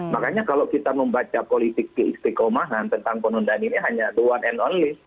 makanya kalau kita membaca politik keistikomahan tentang penundaan ini hanya the one and only